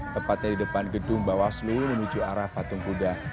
tepatnya di depan gedung bawaslu menuju arah patung kuda